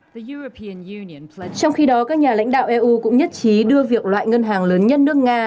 trong khi đó các nhà lãnh đạo eu cũng nhất trí đưa việc loại ngân hàng lớn nhất nước nga